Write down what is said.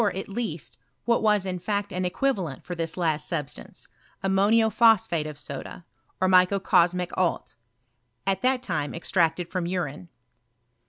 at least, what was in f>tct an equivalent for this last substauce, ammoido pkospkute of $oda, or microcos mic lalt, at that lime extracted from Brine.